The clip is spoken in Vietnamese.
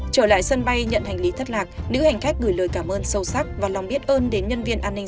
trở lại sân bay nhận hành lý thất lạc nữ hành khách gửi lời cảm ơn sâu sắc và lòng biết ơn đến nhân viên an ninh